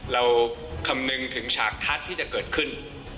คำนึงถึงฉากทัศน์ที่จะเกิดขึ้น